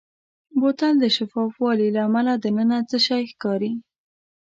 بوتل د شفاف والي له امله دننه څه شی ښکاري.